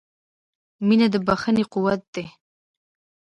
• مینه د بښنې قوت دی.